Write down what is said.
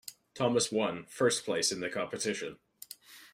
Thomas one first place in the competition.